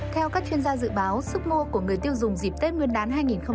theo các chuyên gia dự báo sức mua của người tiêu dùng dịp tết nguyên đán hai nghìn hai mươi